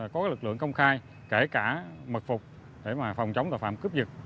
có lực lượng công khai kể cả mật phục để phòng chống tội phạm cướp giật